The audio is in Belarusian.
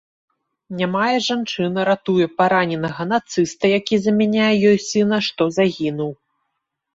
Нямая жанчына ратуе параненага нацыста, які замяняе ёй сына, што загінуў.